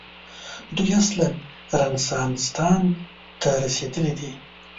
دوی اصلاً رنسانستان ته رسېدلي دي.